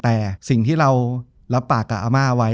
แต่สิ่งที่เรารับปากกับอาม่าไว้